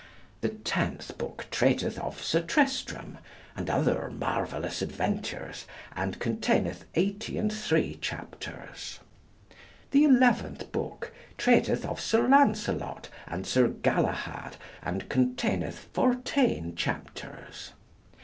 The tenth book treateth of Sir Tristram, and other marvellous adventures, and containeth 83 chapters. The eleventh book treateth of Sir Lancelot and Sir Galahad, and containeth 14 chapters.